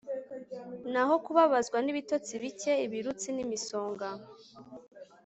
naho kubabazwa n'ibitotsi bike, ibirutsi, n'imisonga